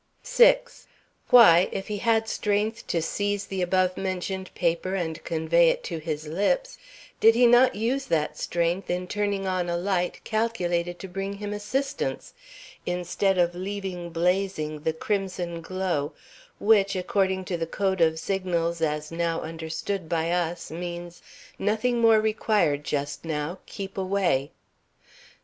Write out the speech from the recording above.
6. Why, if he had strength to seize the above mentioned paper and convey it to his lips, did he not use that strength in turning on a light calculated to bring him assistance, instead of leaving blazing the crimson glow which, according to the code of signals as now understood by us, means: "Nothing more required just now. Keep away."